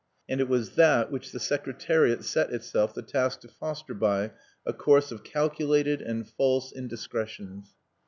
And it was that which the Secretariat set itself the task to foster by a course of calculated and false indiscretions.